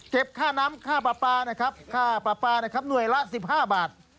ค่าน้ำค่าปลาปลานะครับค่าปลาปลานะครับหน่วยละ๑๕บาท